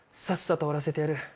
さっさと終わらせてやる。